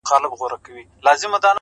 اوس مي لا په هر رگ كي خوره نه ده.!